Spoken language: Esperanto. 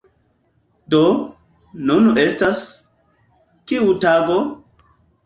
Do, nun estas... kiu tago?